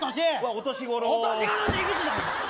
お年頃。